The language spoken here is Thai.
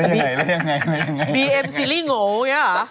เล่ายังไง